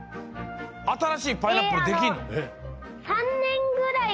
あたらしいパイナップルできんの？